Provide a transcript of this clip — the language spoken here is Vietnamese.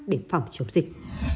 để phòng chống dịch